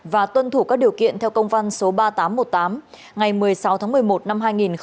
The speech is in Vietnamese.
và tuân thủ các điều kiện theo công văn số ba nghìn tám trăm một mươi tám ngày một mươi sáu tháng một mươi một năm hai nghìn một mươi bảy